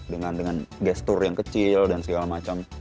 dengan gestur yang kecil dan segala macam